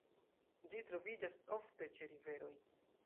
Ĝi troviĝas ofte ĉe riveroj.